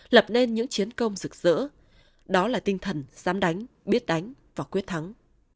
lập nên những chiến công rực rỡ đó là tinh thần dám đánh biết đánh và quyết thắng